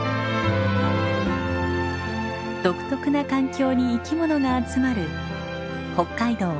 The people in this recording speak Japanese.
独特な環境に生き物が集まる北海道ヨコスト湿原。